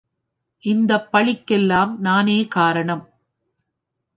இந்தப் பழிக்கெல்லாம் நானே காரணம்.